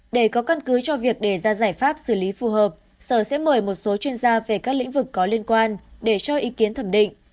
để có căn cứ cho việc đề ra giải pháp xử lý phù hợp sở sẽ mời một số chuyên gia về các lĩnh vực có liên quan để cho ý kiến thẩm định